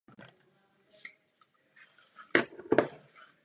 Vítám zprávu o evropské spolupráci v oblasti odborného vzdělávání.